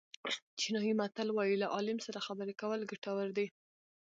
چینایي متل وایي له عالم سره خبرې کول ګټور دي.